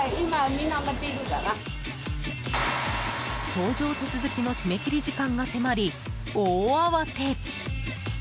搭乗手続きの締め切り時間が迫り、大慌て！